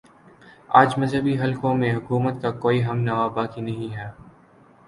آج مذہبی حلقوں میں حکومت کا کوئی ہم نوا باقی نہیں ہے